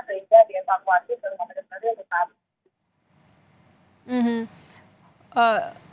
sehingga dievakuasi rumah sakit terdiri